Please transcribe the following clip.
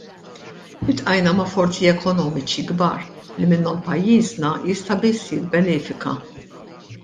Iltqajna ma' forzi ekonomiċi kbar li minnhom pajjiżna jista' biss jibbenefika.